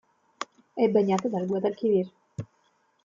È bagnata dal Guadalquivir.